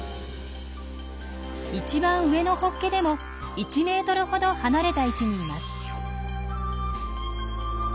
一番上のホッケでも１ｍほど離れた位置にいます。